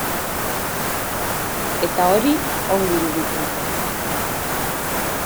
Eta hori ongi iruditzen zait.